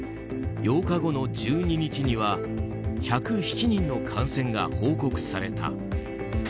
８日後の１２日には１０７人の感染が報告された。